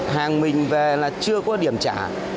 hàng mình về là chưa có điểm trả